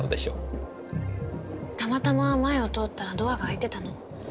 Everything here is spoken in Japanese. たまたま前を通ったらドアが開いてたの。